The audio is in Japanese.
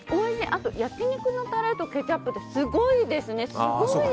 あと、焼き肉のタレとケチャップってすごいですね。